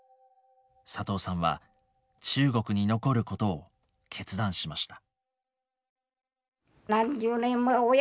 佐藤さんは中国に残ることを決断しました。